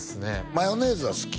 マヨネーズは好き？